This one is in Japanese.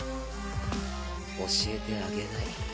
教えてあげない。